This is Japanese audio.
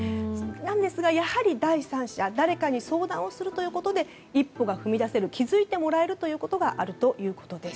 ですが、やはり第三者誰かに相談するということで一歩が踏み出せる気づいてもらえるということがあるということです。